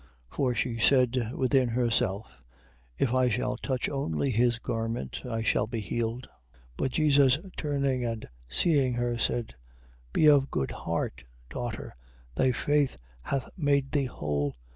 9:21. For she said within herself: If I shall touch only his garment, I shall be healed. 9:22. But Jesus turning and seeing her, said: Be of good heart, daughter, thy faith hath made thee whole.